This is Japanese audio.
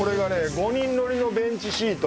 ５人乗りのベンチシート。